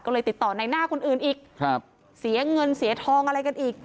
ก็เลยติดต่อในหน้าคนอื่นอีกครับเสียเงินเสียทองอะไรกันอีก